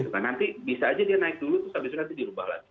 nah nanti bisa aja dia naik dulu terus abis itu nanti dirubah lagi